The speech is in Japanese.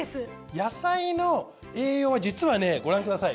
野菜の栄養は実はねご覧ください。